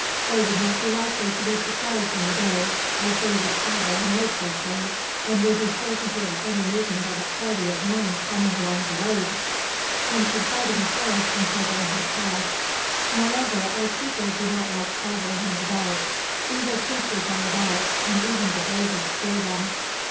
They would not be likely to be surprised in the day, as they would travel noiselessly, and would be sure to hear any movement of a party of men coming along the road, and could hide in the forest until they had passed. Moreover, our people do not like travelling in the dark. Evil creatures are about, and even the bravest fear them."